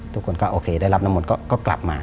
ทุกคนก็โอเคได้รับน้ำมนต์ก็กลับมา